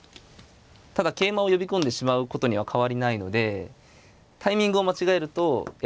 ただ桂馬を呼び込んでしまうことには変わりないのでタイミングを間違えるとえらいことになりますね。